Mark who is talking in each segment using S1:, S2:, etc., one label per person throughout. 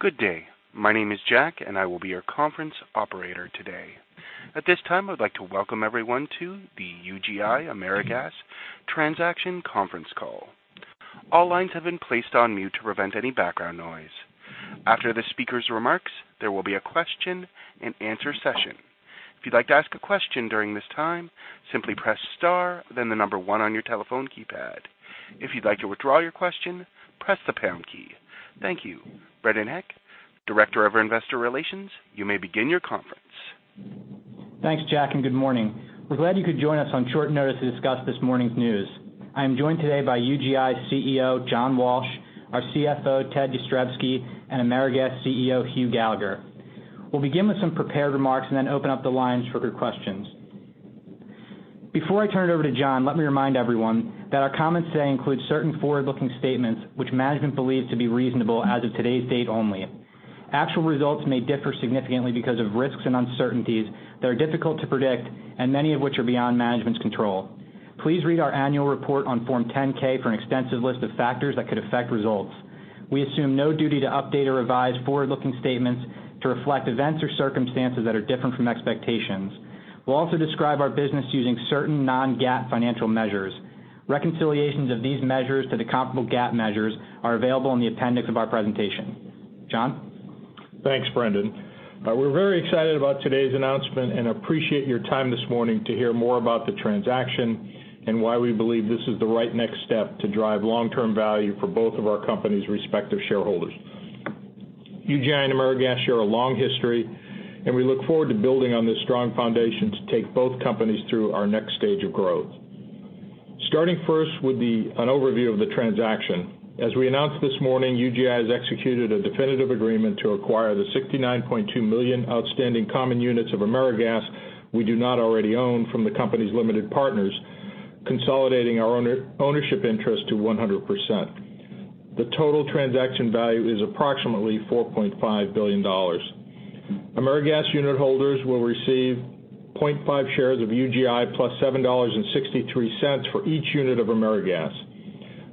S1: Good day. My name is Jack, and I will be your conference operator today. At this time, I would like to welcome everyone to the UGI AmeriGas Transaction Conference Call. All lines have been placed on mute to prevent any background noise. After the speaker's remarks, there will be a question-and-answer session. If you'd like to ask a question during this time, simply press star, then the number one on your telephone keypad. If you'd like to withdraw your question, press the pound key. Thank you. Brendan Heck, Director of Investor Relations, you may begin your conference.
S2: Thanks, Jack, and good morning. We're glad you could join us on short notice to discuss this morning's news. I am joined today by UGI's CEO, John Walsh, our CFO, Ted Jastrzebski, and AmeriGas CEO, Hugh Gallagher. We'll begin with some prepared remarks and then open up the lines for your questions. Before I turn it over to John, let me remind everyone that our comments today include certain forward-looking statements which management believes to be reasonable as of today's date only. Actual results may differ significantly because of risks and uncertainties that are difficult to predict, and many of which are beyond management's control. Please read our annual report on Form 10-K for an extensive list of factors that could affect results. We assume no duty to update or revise forward-looking statements to reflect events or circumstances that are different from expectations. We'll also describe our business using certain non-GAAP financial measures. Reconciliations of these measures to the comparable GAAP measures are available in the appendix of our presentation. John?
S3: Thanks, Brendan. We're very excited about today's announcement and appreciate your time this morning to hear more about the transaction and why we believe this is the right next step to drive long-term value for both of our companies' respective shareholders. UGI and AmeriGas share a long history, and we look forward to building on this strong foundation to take both companies through our next stage of growth. Starting first with an overview of the transaction. As we announced this morning, UGI has executed a definitive agreement to acquire the 69.2 million outstanding common units of AmeriGas we do not already own from the company's limited partners, consolidating our ownership interest to 100%. The total transaction value is approximately $4.5 billion. AmeriGas unitholders will receive 0.5 shares of UGI plus $7.63 for each unit of AmeriGas.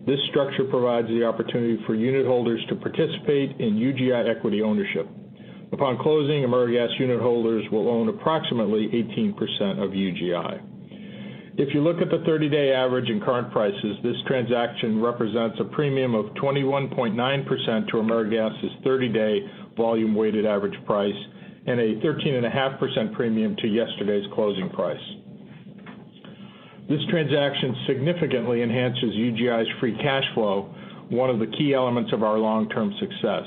S3: This structure provides the opportunity for unitholders to participate in UGI equity ownership. Upon closing, AmeriGas unitholders will own approximately 18% of UGI. If you look at the 30-day average in current prices, this transaction represents a premium of 21.9% to AmeriGas's 30-day volume-weighted average price and a 13.5% premium to yesterday's closing price. This transaction significantly enhances UGI's free cash flow, one of the key elements of our long-term success.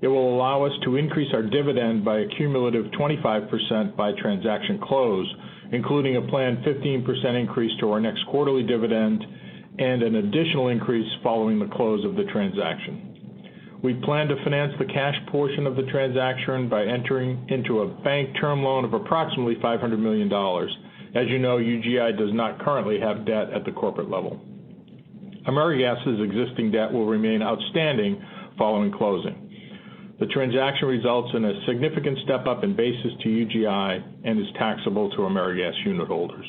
S3: It will allow us to increase our dividend by a cumulative 25% by transaction close, including a planned 15% increase to our next quarterly dividend and an additional increase following the close of the transaction. We plan to finance the cash portion of the transaction by entering into a bank term loan of approximately $500 million. As you know, UGI does not currently have debt at the corporate level. AmeriGas's existing debt will remain outstanding following closing. The transaction results in a significant step-up in basis to UGI and is taxable to AmeriGas unitholders.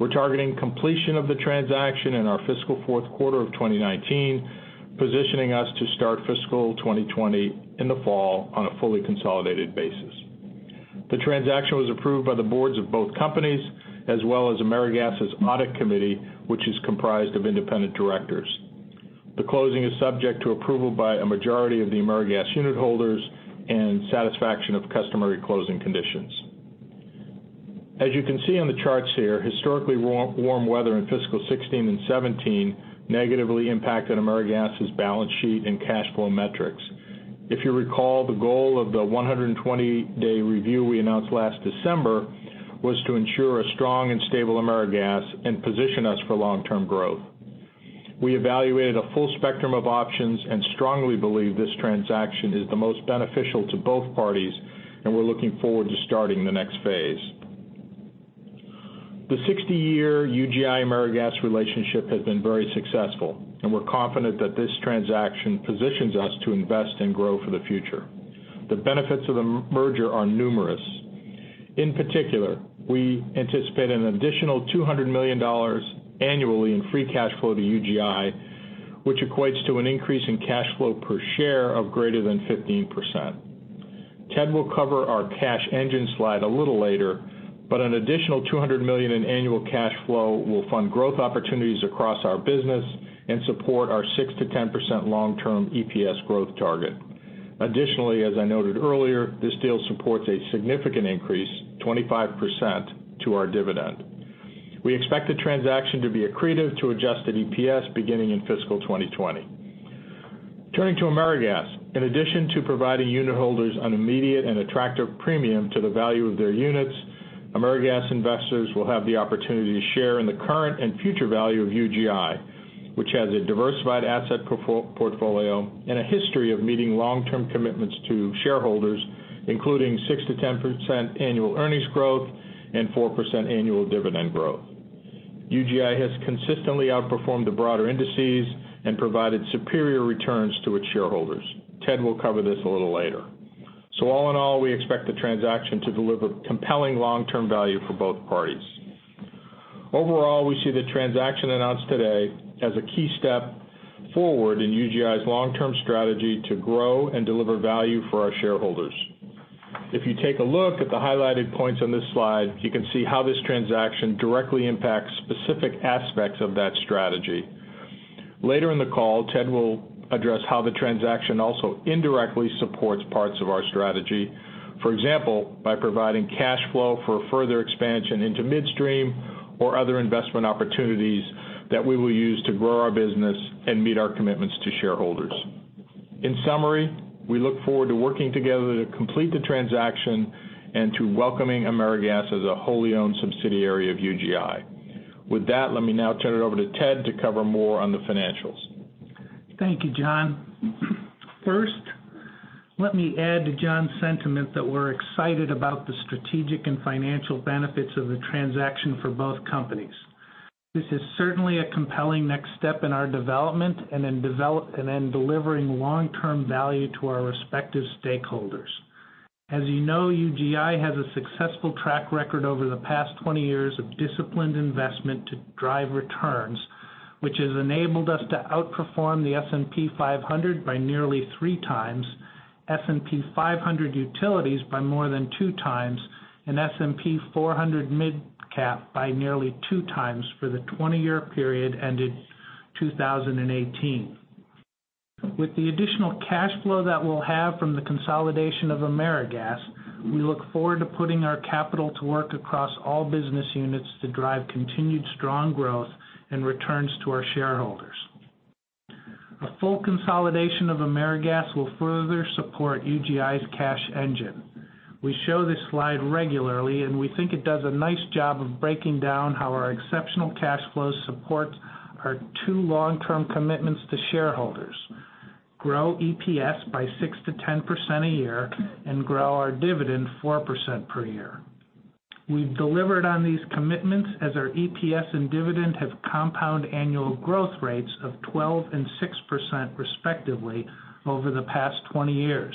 S3: We're targeting completion of the transaction in our fiscal fourth quarter of 2019, positioning us to start fiscal 2020 in the fall on a fully consolidated basis. The transaction was approved by the boards of both companies, as well as AmeriGas's audit committee, which is comprised of independent directors. The closing is subject to approval by a majority of the AmeriGas unitholders and satisfaction of customary closing conditions. As you can see on the charts here, historically warm weather in fiscal 2016 and 2017 negatively impacted AmeriGas's balance sheet and cash flow metrics. If you recall, the goal of the 120-day review we announced last December was to ensure a strong and stable AmeriGas and position us for long-term growth. We evaluated a full spectrum of options and strongly believe this transaction is the most beneficial to both parties, and we're looking forward to starting the next phase. The 60-year UGI-AmeriGas relationship has been very successful, and we're confident that this transaction positions us to invest and grow for the future. The benefits of the merger are numerous. In particular, we anticipate an additional $200 million annually in free cash flow to UGI, which equates to an increase in cash flow per share of greater than 15%. Ted will cover our cash engine slide a little later, but an additional $200 million in annual cash flow will fund growth opportunities across our business and support our 6%-10% long-term EPS growth target. Additionally, as I noted earlier, this deal supports a significant increase, 25%, to our dividend. We expect the transaction to be accretive to adjusted EPS beginning in fiscal 2020. Turning to AmeriGas. In addition to providing unitholders an immediate and attractive premium to the value of their units, AmeriGas investors will have the opportunity to share in the current and future value of UGI, which has a diversified asset portfolio and a history of meeting long-term commitments to shareholders, including 6%-10% annual earnings growth and 4% annual dividend growth. UGI has consistently outperformed the broader indices and provided superior returns to its shareholders. Ted will cover this a little later. All in all, we expect the transaction to deliver compelling long-term value for both parties. Overall, we see the transaction announced today as a key step forward in UGI's long-term strategy to grow and deliver value for our shareholders. If you take a look at the highlighted points on this slide, you can see how this transaction directly impacts specific aspects of that strategy. Later in the call, Ted will address how the transaction also indirectly supports parts of our strategy. For example, by providing cash flow for further expansion into midstream or other investment opportunities that we will use to grow our business and meet our commitments to shareholders. In summary, we look forward to working together to complete the transaction and to welcoming AmeriGas as a wholly-owned subsidiary of UGI. With that, let me now turn it over to Ted to cover more on the financials.
S4: Thank you, John. First, let me add to John's sentiment that we're excited about the strategic and financial benefits of the transaction for both companies. This is certainly a compelling next step in our development and in delivering long-term value to our respective stakeholders. As you know, UGI has a successful track record over the past 20 years of disciplined investment to drive returns, which has enabled us to outperform the S&P 500 by nearly 3x, S&P 500 Utilities by more than 2x, and S&P MidCap 400 by nearly 2x for the 20-year period ended 2018. With the additional cash flow that we'll have from the consolidation of AmeriGas, we look forward to putting our capital to work across all business units to drive continued strong growth and returns to our shareholders. A full consolidation of AmeriGas will further support UGI's cash engine. We show this slide regularly, we think it does a nice job of breaking down how our exceptional cash flows support our two long-term commitments to shareholders: grow EPS by 6%-10% a year and grow our dividend 4% per year. We've delivered on these commitments as our EPS and dividend have compound annual growth rates of 12% and 6%, respectively, over the past 20 years.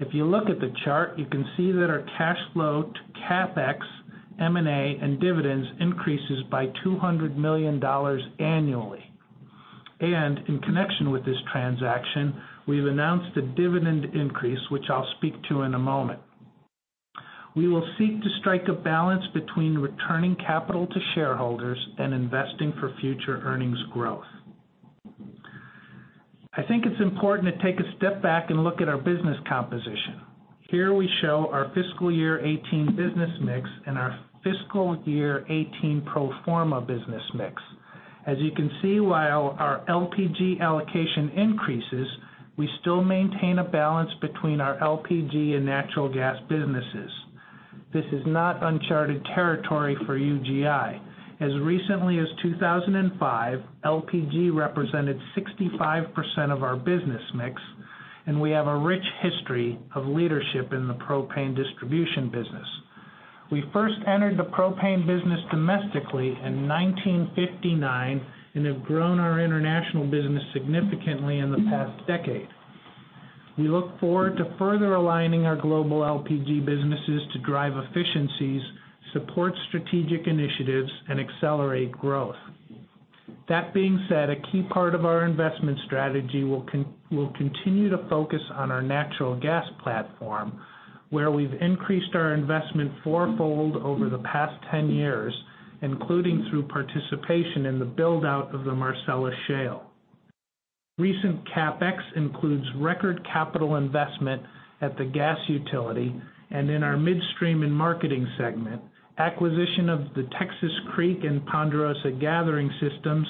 S4: If you look at the chart, you can see that our cash flow to CapEx, M&A, and dividends increases by $200 million annually. In connection with this transaction, we've announced a dividend increase, which I'll speak to in a moment. We will seek to strike a balance between returning capital to shareholders and investing for future earnings growth. I think it's important to take a step back and look at our business composition. Here we show our fiscal year 2018 business mix and our fiscal year 2018 pro forma business mix. As you can see, while our LPG allocation increases, we still maintain a balance between our LPG and natural gas businesses. This is not uncharted territory for UGI. As recently as 2005, LPG represented 65% of our business mix, and we have a rich history of leadership in the propane distribution business. We first entered the propane business domestically in 1959 and have grown our international business significantly in the past decade. We look forward to further aligning our global LPG businesses to drive efficiencies, support strategic initiatives, and accelerate growth. That being said, a key part of our investment strategy will continue to focus on our natural gas platform, where we've increased our investment fourfold over the past 10 years, including through participation in the build-out of the Marcellus Shale. Recent CapEx includes record capital investment at the gas utility and in our midstream and marketing segment, acquisition of the Texas Creek and Ponderosa gathering systems,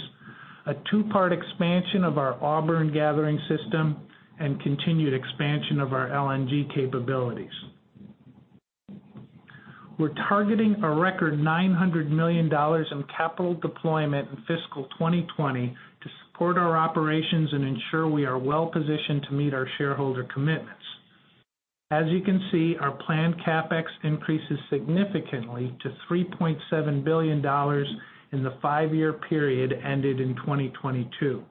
S4: a two-part expansion of our Auburn gathering system, and continued expansion of our LNG capabilities. We're targeting a record $900 million in capital deployment in fiscal 2020 to support our operations and ensure we are well-positioned to meet our shareholder commitments. As you can see, our planned CapEx increases significantly to $3.7 billion in the five-year period ended in 2022.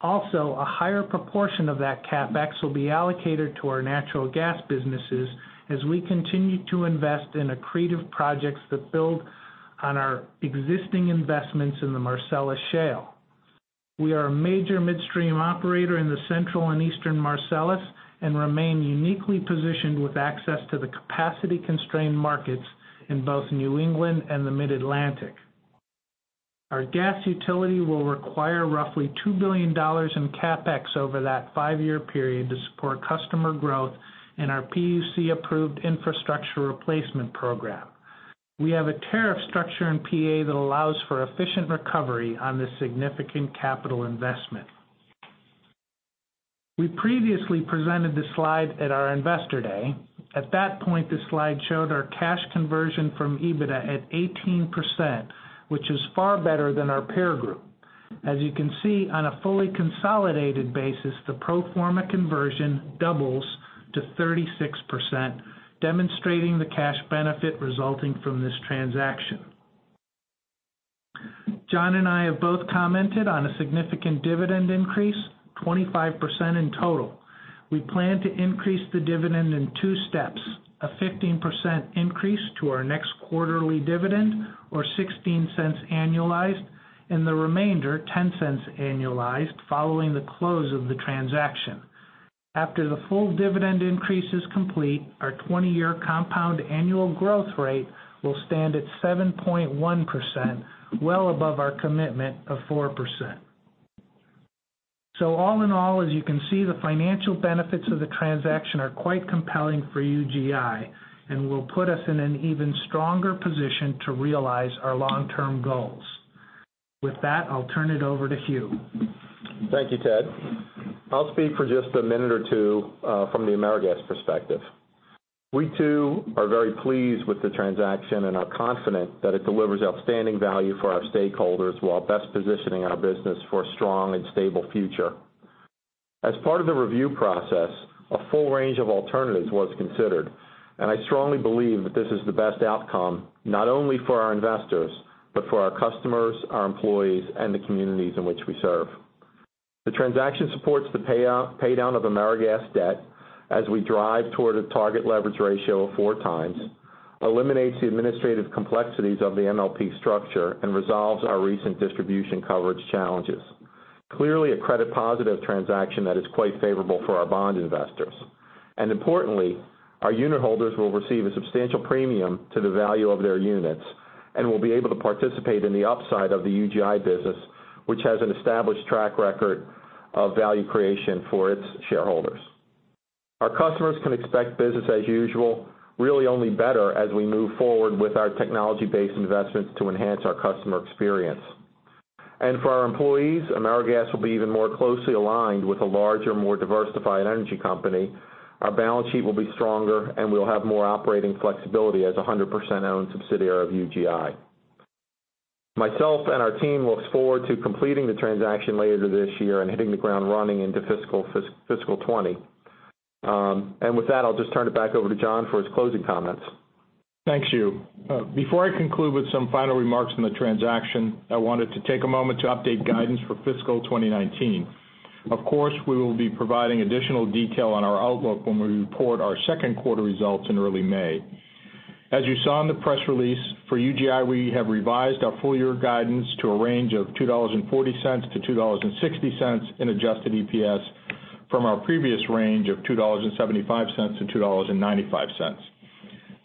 S4: A higher proportion of that CapEx will be allocated to our natural gas businesses as we continue to invest in accretive projects that build on our existing investments in the Marcellus Shale. We are a major midstream operator in the Central and Eastern Marcellus and remain uniquely positioned with access to the capacity-constrained markets in both New England and the Mid-Atlantic. Our gas utility will require roughly $2 billion in CapEx over that five-year period to support customer growth and our PUC-approved infrastructure replacement program. We have a tariff structure in PA that allows for efficient recovery on this significant capital investment. We previously presented this slide at our Investor Day. At that point, this slide showed our cash conversion from EBITDA at 18%, which is far better than our peer group. As you can see, on a fully consolidated basis, the pro forma conversion doubles to 36%, demonstrating the cash benefit resulting from this transaction. John and I have both commented on a significant dividend increase, 25% in total. We plan to increase the dividend in two steps, a 15% increase to our next quarterly dividend, or $0.16 annualized, and the remainder, $0.10 annualized, following the close of the transaction. After the full dividend increase is complete, our 20-year compound annual growth rate will stand at 7.1%, well above our commitment of 4%. All in all, as you can see, the financial benefits of the transaction are quite compelling for UGI and will put us in an even stronger position to realize our long-term goals. With that, I'll turn it over to Hugh.
S5: Thank you, Ted. I'll speak for just a minute or two from the AmeriGas perspective. We, too, are very pleased with the transaction and are confident that it delivers outstanding value for our stakeholders while best positioning our business for a strong and stable future. As part of the review process, a full range of alternatives was considered, and I strongly believe that this is the best outcome, not only for our investors, but for our customers, our employees, and the communities in which we serve. The transaction supports the pay-down of AmeriGas debt as we drive toward a target leverage ratio of four times, eliminates the administrative complexities of the MLP structure, and resolves our recent distribution coverage challenges. Clearly a credit-positive transaction that is quite favorable for our bond investors. Importantly, our unit holders will receive a substantial premium to the value of their units and will be able to participate in the upside of the UGI business, which has an established track record of value creation for its shareholders. Our customers can expect business as usual, really only better as we move forward with our technology-based investments to enhance our customer experience. For our employees, AmeriGas will be even more closely aligned with a larger, more diversified energy company. Our balance sheet will be stronger, and we'll have more operating flexibility as a 100%-owned subsidiary of UGI. Myself and our team looks forward to completing the transaction later this year and hitting the ground running into fiscal 2020. With that, I'll just turn it back over to John for his closing comments.
S3: Thanks, Hugh. Before I conclude with some final remarks on the transaction, I wanted to take a moment to update guidance for fiscal 2019. Of course, we will be providing additional detail on our outlook when we report our second quarter results in early May. As you saw in the press release, for UGI, we have revised our full-year guidance to a range of $2.40-$2.60 in adjusted EPS from our previous range of $2.75-$2.95.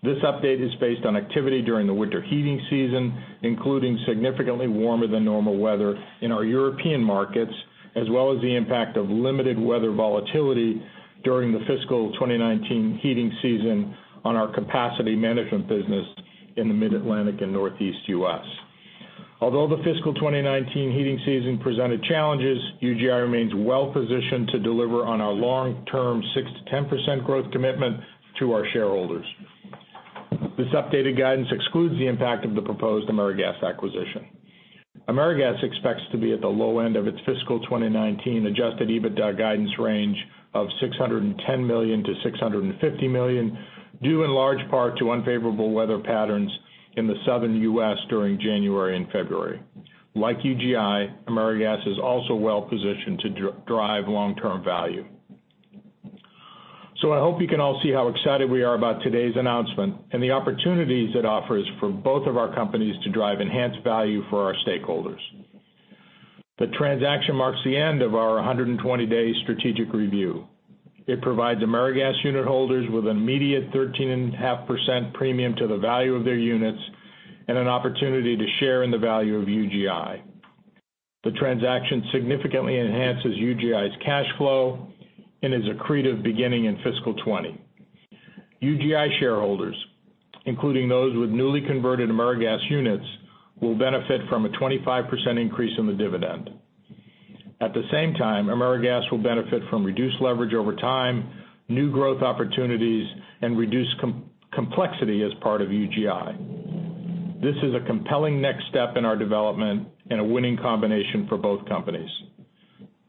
S3: This update is based on activity during the winter heating season, including significantly warmer than normal weather in our European markets, as well as the impact of limited weather volatility during the fiscal 2019 heating season on our capacity management business in the mid-Atlantic and Northeast U.S. The fiscal 2019 heating season presented challenges, UGI remains well-positioned to deliver on our long-term 6%-10% growth commitment to our shareholders. This updated guidance excludes the impact of the proposed AmeriGas acquisition. AmeriGas expects to be at the low end of its fiscal 2019 adjusted EBITDA guidance range of $610 million-$650 million, due in large part to unfavorable weather patterns in the Southern U.S. during January and February. Like UGI, AmeriGas is also well-positioned to drive long-term value. I hope you can all see how excited we are about today's announcement and the opportunities it offers for both of our companies to drive enhanced value for our stakeholders. The transaction marks the end of our 120-day strategic review. It provides AmeriGas unit holders with an immediate 13.5% premium to the value of their units and an opportunity to share in the value of UGI. The transaction significantly enhances UGI's cash flow and is accretive beginning in fiscal 2020. UGI shareholders, including those with newly converted AmeriGas units, will benefit from a 25% increase in the dividend. At the same time, AmeriGas will benefit from reduced leverage over time, new growth opportunities, and reduced complexity as part of UGI. This is a compelling next step in our development and a winning combination for both companies.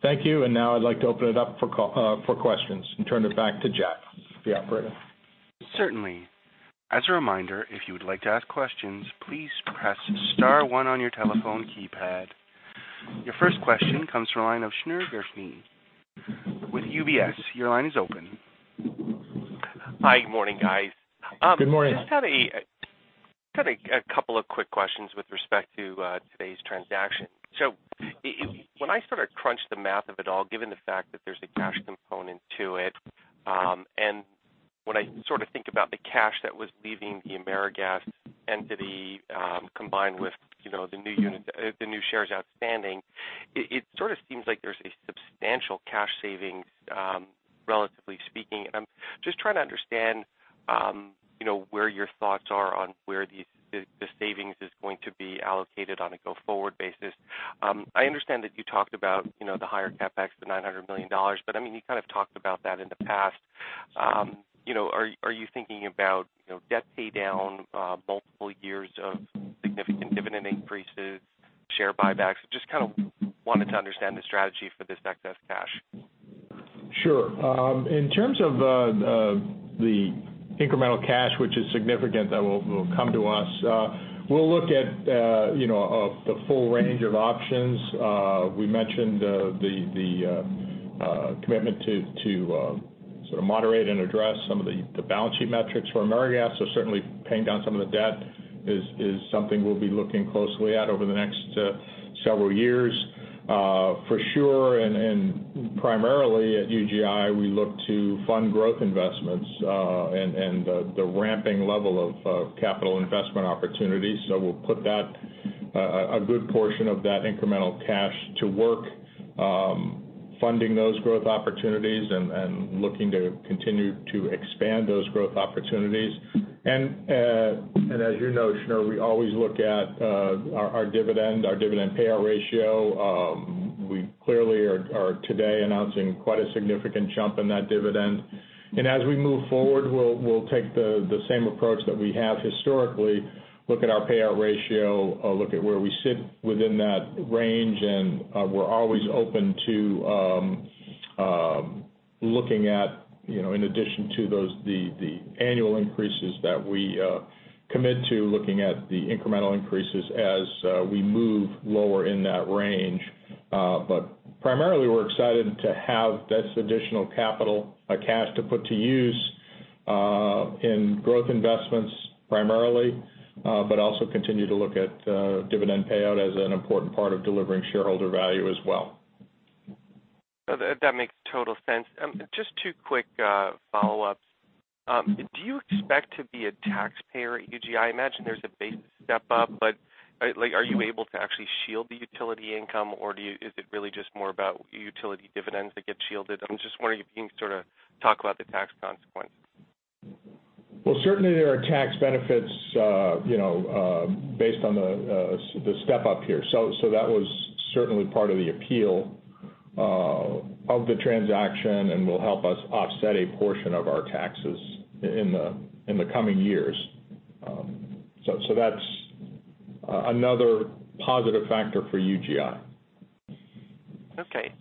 S3: Thank you. Now I'd like to open it up for questions and turn it back to Jeff, the operator.
S1: Certainly. As a reminder, if you would like to ask questions, please press star one on your telephone keypad. Your first question comes from the line of Shneur Gershuni with UBS. Your line is open.
S6: Hi, good morning, guys.
S3: Good morning.
S6: Just had a couple of quick questions with respect to today's transaction. When I sort of crunch the math of it all, given the fact that there's a cash component to it, and when I sort of think about the cash that was leaving the AmeriGas entity, combined with the new shares outstanding, it sort of seems like there's a substantial cash savings, relatively speaking. I'm just trying to understand where your thoughts are on where the savings is going to be allocated on a go-forward basis. I understand that you talked about the higher CapEx, the $900 million, but you kind of talked about that in the past. Are you thinking about debt paydown, multiple years of significant dividend increases, share buybacks? Just kind of wanted to understand the strategy for this excess cash.
S3: Sure. In terms of the incremental cash, which is significant, that will come to us. We'll look at the full range of options. We mentioned the commitment to moderate and address some of the balance sheet metrics for AmeriGas. Certainly paying down some of the debt is something we'll be looking closely at over the next several years. For sure, primarily at UGI, we look to fund growth investments, and the ramping level of capital investment opportunities. We'll put a good portion of that incremental cash to work funding those growth opportunities and looking to continue to expand those growth opportunities. As you know, Shneur, we always look at our dividend, our dividend payout ratio. We clearly are today announcing quite a significant jump in that dividend. As we move forward, we'll take the same approach that we have historically, look at our payout ratio, look at where we sit within that range, and we're always open to looking at, in addition to the annual increases that we commit to looking at the incremental increases as we move lower in that range. Primarily, we're excited to have this additional capital cash to put to use, in growth investments primarily, but also continue to look at dividend payout as an important part of delivering shareholder value as well.
S6: That makes total sense. Just two quick follow-ups. Do you expect to be a taxpayer at UGI? I imagine there's a base step up, but are you able to actually shield the utility income, or is it really just more about utility dividends that get shielded? I'm just wondering if you can sort of talk about the tax consequence.
S3: Well, certainly there are tax benefits based on the step up here. That was certainly part of the appeal of the transaction and will help us offset a portion of our taxes in the coming years. That's another positive factor for UGI.
S6: Okay.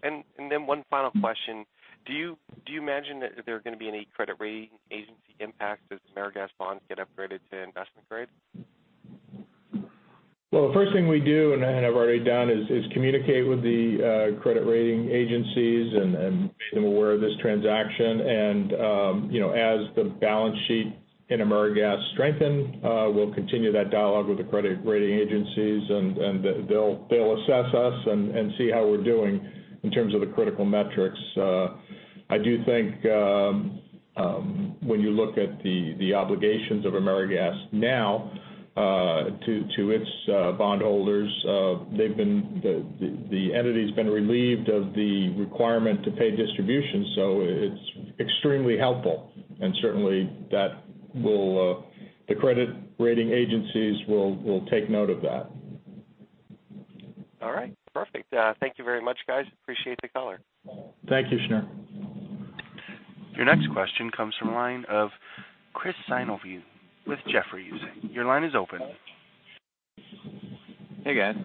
S6: One final question. Do you imagine that there are going to be any credit rating agency impacts as AmeriGas bonds get upgraded to investment grade?
S3: Well, the first thing we do, and have already done, is communicate with the credit rating agencies and make them aware of this transaction. As the balance sheet in AmeriGas strengthen, we'll continue that dialogue with the credit rating agencies, and they'll assess us and see how we're doing in terms of the critical metrics. I do think when you look at the obligations of AmeriGas now to its bondholders, the entity's been relieved of the requirement to pay distribution. It's extremely helpful, and certainly the credit rating agencies will take note of that.
S6: All right. Perfect. Thank you very much, guys. Appreciate the color.
S3: Thank you, Shneur.
S1: Your next question comes from the line of Chris Sighinolfi with Jefferies. Your line is open.
S7: Hey, guys.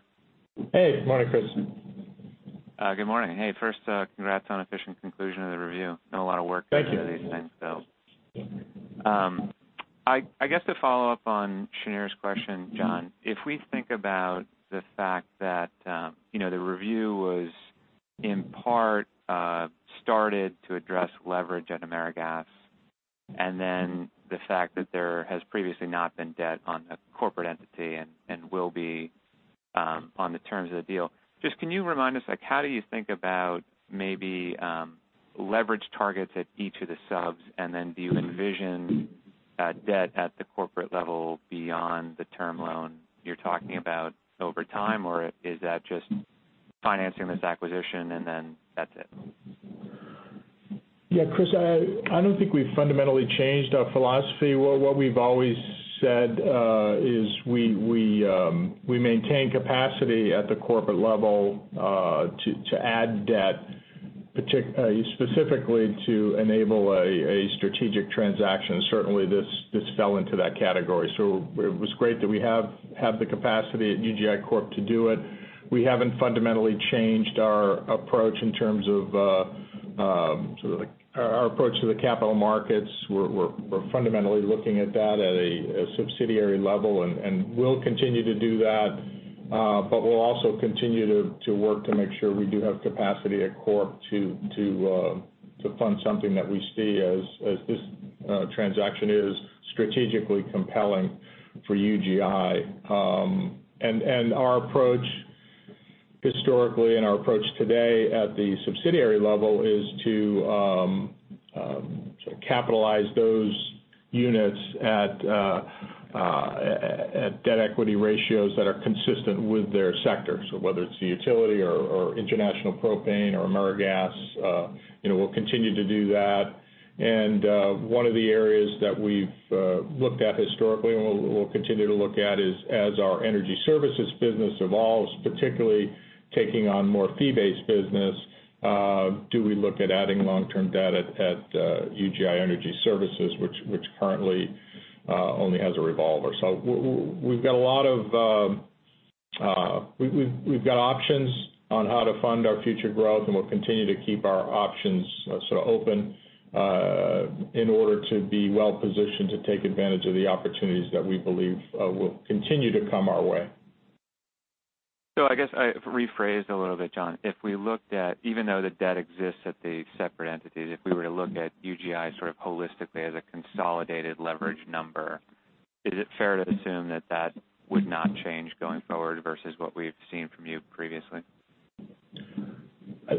S3: Hey. Morning, Chris.
S7: Good morning. Hey, first, congrats on efficient conclusion of the review. I know a lot of work.
S3: Thank you
S7: I guess to follow up on Shneur's question, John, if we think about the fact that the review was, in part, started to address leverage at AmeriGas and then the fact that there has previously not been debt on a corporate entity and will be on the terms of the deal. Just can you remind us, how do you think about maybe leverage targets at each of the subs? And then do you envision that debt at the corporate level beyond the term loan you're talking about over time, or is that just financing this acquisition and then that's it?
S3: Yeah, Chris, I don't think we've fundamentally changed our philosophy. What we've always said is we maintain capacity at the corporate level to add debt specifically to enable a strategic transaction. Certainly, this fell into that category. It was great that we have the capacity at UGI Corp to do it. We haven't fundamentally changed our approach to the capital markets. We're fundamentally looking at that at a subsidiary level, and we'll continue to do that. We'll also continue to work to make sure we do have capacity at Corp to fund something that we see as this transaction is strategically compelling for UGI. Our approach historically and our approach today at the subsidiary level is to capitalize those units at debt/equity ratios that are consistent with their sector. So whether it's the utility or International Propane or AmeriGas, we'll continue to do that. One of the areas that we've looked at historically and we'll continue to look at is as our UGI Energy Services business evolves, particularly taking on more fee-based business, do we look at adding long-term debt at UGI Energy Services, which currently only has a revolver. We've got options on how to fund our future growth, and we'll continue to keep our options sort of open in order to be well-positioned to take advantage of the opportunities that we believe will continue to come our way.
S7: I guess, rephrase a little bit, John, if we looked at, even though the debt exists at the separate entities, if we were to look at UGI sort of holistically as a consolidated leverage number, is it fair to assume that that would not change going forward versus what we've seen from you previously?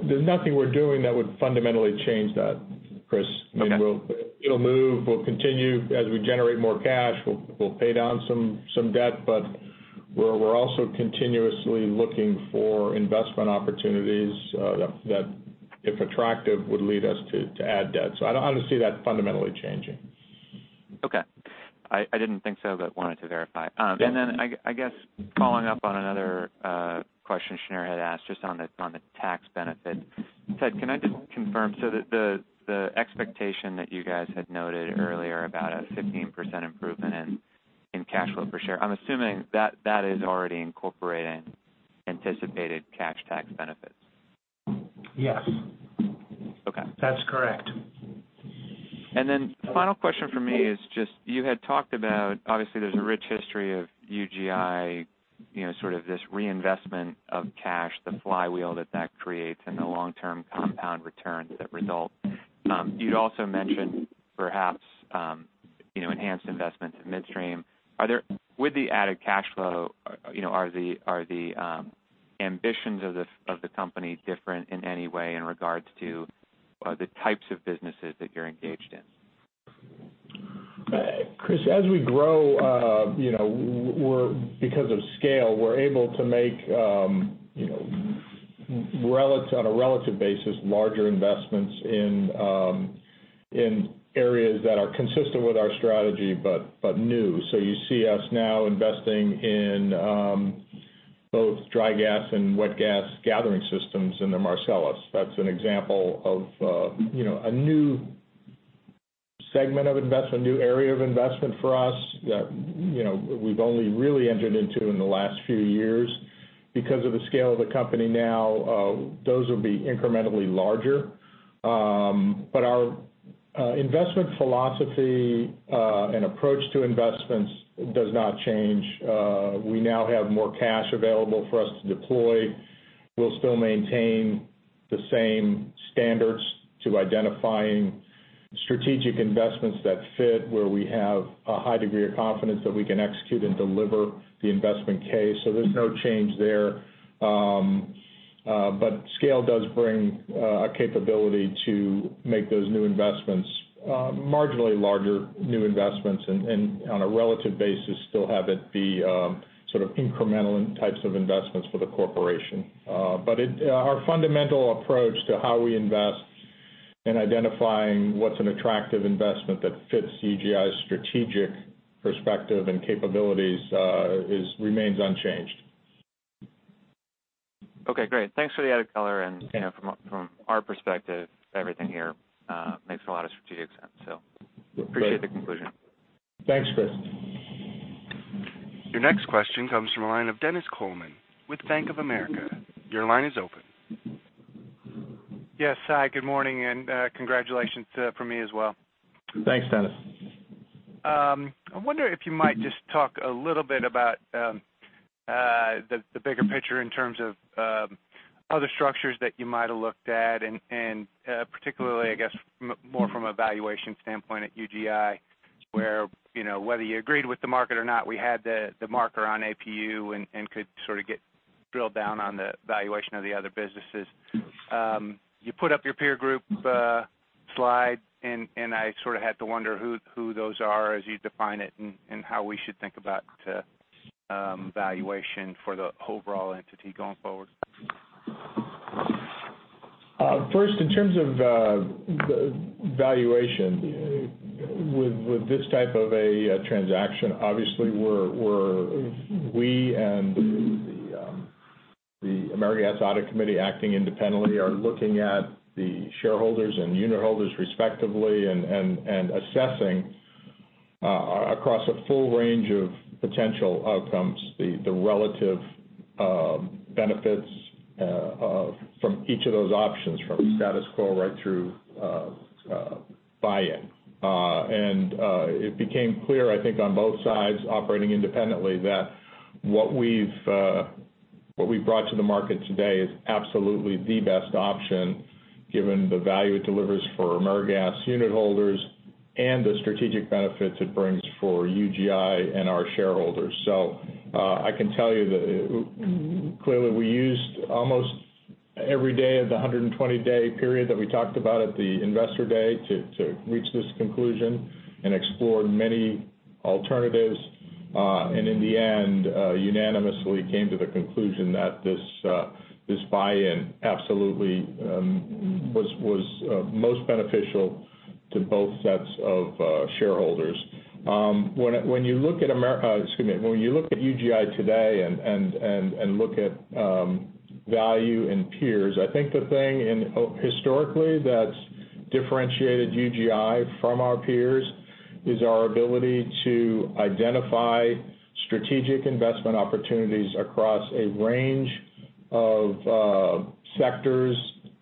S3: There's nothing we're doing that would fundamentally change that, Chris.
S7: Okay.
S3: I mean, it'll move. We'll continue. As we generate more cash, we'll pay down some debt, we're also continuously looking for investment opportunities that, if attractive, would lead us to add debt. I don't see that fundamentally changing.
S7: Okay. I didn't think so, wanted to verify.
S3: Yeah.
S7: I guess following up on another question Shneur had asked just on the tax benefit. Ted, can I just confirm, the expectation that you guys had noted earlier about a 15% improvement in cash flow per share, I'm assuming that is already incorporating anticipated cash tax benefits.
S4: Yes.
S7: Okay.
S4: That's correct.
S7: Final question from me is just you had talked about, obviously, there's a rich history of UGI, sort of this reinvestment of cash, the flywheel that that creates and the long-term compound returns that result. You'd also mentioned perhaps enhanced investments in midstream. With the added cash flow, are the ambitions of the company different in any way in regards to the types of businesses that you're engaged in?
S3: Chris, as we grow, because of scale, we're able to make, on a relative basis, larger investments in areas that are consistent with our strategy, but new. You see us now investing in both dry gas and wet gas gathering systems in the Marcellus. That's an example of a new segment of investment, a new area of investment for us that we've only really entered into in the last few years. Because of the scale of the company now, those will be incrementally larger. Our investment philosophy, and approach to investments does not change. We now have more cash available for us to deploy. We'll still maintain the same standards to identifying strategic investments that fit where we have a high degree of confidence that we can execute and deliver the investment case. There's no change there. Scale does bring a capability to make those new investments marginally larger new investments and on a relative basis, still have it be sort of incremental in types of investments for the corporation. Our fundamental approach to how we invest in identifying what's an attractive investment that fits UGI's strategic perspective and capabilities remains unchanged.
S7: Okay, great. Thanks for the added color, and from our perspective, everything here makes a lot of strategic sense. Appreciate the conclusion.
S3: Thanks, Chris.
S1: Your next question comes from the line of Dennis Coleman with Bank of America. Your line is open.
S8: Yes. Hi, good morning, and congratulations from me as well.
S3: Thanks, Dennis.
S8: I wonder if you might just talk a little bit about the bigger picture in terms of other structures that you might have looked at, and particularly, I guess more from a valuation standpoint at UGI, where whether you agreed with the market or not, we had the marker on APU and could sort of get drilled down on the valuation of the other businesses. You put up your peer group slide. I sort of had to wonder who those are as you define it, and how we should think about valuation for the overall entity going forward.
S3: First, in terms of valuation with this type of a transaction, obviously we and the AmeriGas audit committee, acting independently, are looking at the shareholders and unitholders respectively, and assessing across a full range of potential outcomes, the relative benefits from each of those options, from status quo right through buy-in. It became clear, I think, on both sides operating independently, that what we've brought to the market today is absolutely the best option given the value it delivers for AmeriGas unitholders and the strategic benefits it brings for UGI and our shareholders. I can tell you that clearly we used almost every day of the 120-day period that we talked about at the Investor Day to reach this conclusion and explore many alternatives. In the end, unanimously came to the conclusion that this buy-in absolutely was most beneficial to both sets of shareholders. When you look at UGI today and look at value in peers, I think the thing historically that's differentiated UGI from our peers is our ability to identify strategic investment opportunities across a range of sectors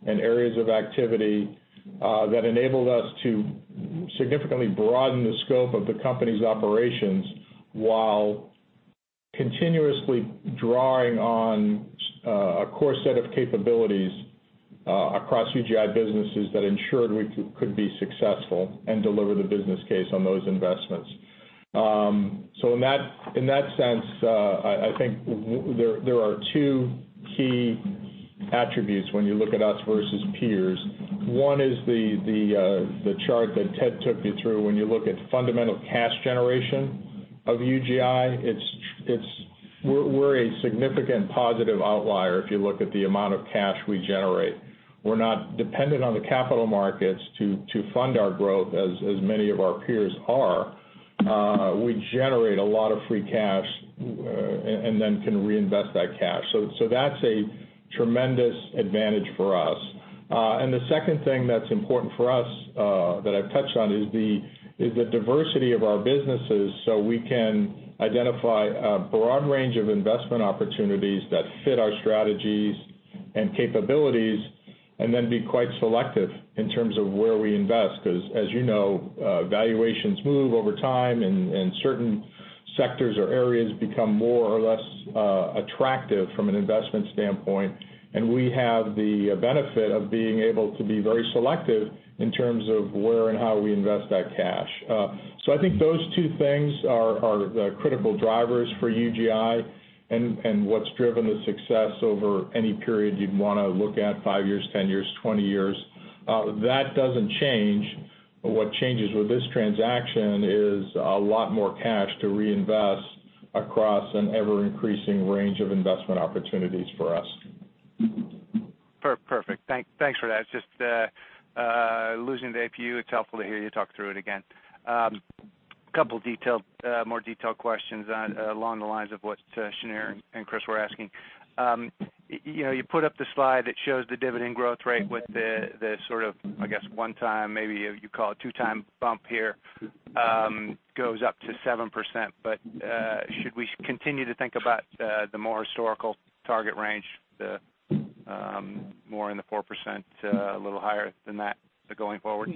S3: and areas of activity that enabled us to significantly broaden the scope of the company's operations while continuously drawing on a core set of capabilities across UGI businesses that ensured we could be successful and deliver the business case on those investments. In that sense, I think there are two key attributes when you look at us versus peers. One is the chart that Ted took you through. When you look at fundamental cash generation of UGI, we're a significant positive outlier if you look at the amount of cash we generate. We're not dependent on the capital markets to fund our growth as many of our peers are. We generate a lot of free cash and then can reinvest that cash. That's a tremendous advantage for us. The second thing that's important for us, that I've touched on, is the diversity of our businesses, so we can identify a broad range of investment opportunities that fit our strategies and capabilities, and then be quite selective in terms of where we invest. As you know, valuations move over time, and certain sectors or areas become more or less attractive from an investment standpoint. We have the benefit of being able to be very selective in terms of where and how we invest that cash. I think those two things are critical drivers for UGI and what's driven the success over any period you'd want to look at, five years, 10 years, 20 years. That doesn't change. What changes with this transaction is a lot more cash to reinvest across an ever-increasing range of investment opportunities for us.
S8: Perfect. Thanks for that. Just losing the APU, it's helpful to hear you talk through it again. Couple more detailed questions along the lines of what Shneur and Chris were asking. You put up the slide that shows the dividend growth rate with the, I guess, one-time, maybe you call it two-time bump here, goes up to 7%. Should we continue to think about the more historical target range, the more in the 4%, a little higher than that going forward?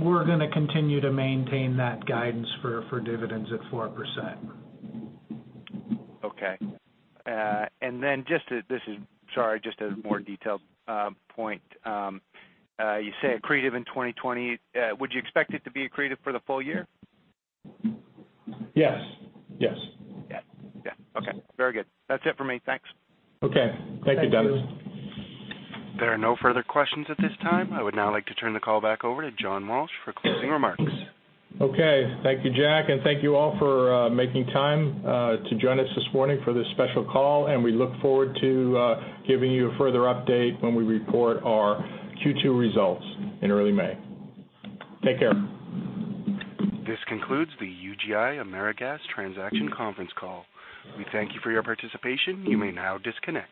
S4: We're going to continue to maintain that guidance for dividends at 4%.
S8: Okay. Sorry, just a more detailed point. You say accretive in 2020. Would you expect it to be accretive for the full year?
S3: Yes.
S8: Yeah. Okay. Very good. That's it for me. Thanks.
S4: Okay. Thank you, Dennis.
S8: Thank you.
S1: There are no further questions at this time. I would now like to turn the call back over to John Walsh for closing remarks.
S3: Okay. Thank you, Jack, and thank you all for making time to join us this morning for this special call. We look forward to giving you a further update when we report our Q2 results in early May. Take care.
S1: This concludes the UGI AmeriGas transaction conference call. We thank you for your participation. You may now disconnect.